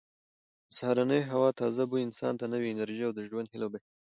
د سهارنۍ هوا تازه بوی انسان ته نوې انرژي او د ژوند هیله بښي.